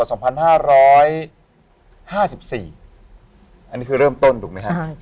อันนี้คือเริ่มต้นถูกไหมครับ